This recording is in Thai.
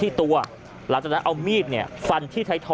ที่ตัวหลังจากนั้นเอามีดฟันที่ไทยทอ